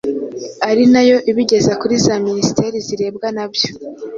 ari na yo ibigeza kuri za minisiteri zirebwa na byo